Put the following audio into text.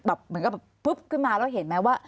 เหมือนกับแบบปุ๊บขึ้นมาแล้วเห็นไหมว่า